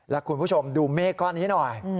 แล้วคุณผู้ชมดูเมฆก้อนนี้หน่อย